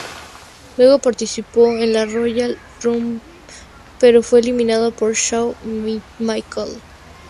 Luego participó en la Royal Rumble, pero fue eliminado por Shawn Michaels.